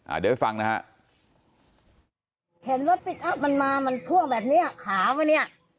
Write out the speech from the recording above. อ่าเดี๋ยวไปฟังนะฮะเห็นรถปิ๊กอ๊ะมันมามันพ่วงแบบเนี้ยขาวอ่ะเนี้ย